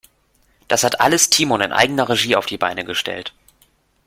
Das alles hat Timon in eigener Regie auf die Beine gestellt.